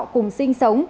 cùng sinh sống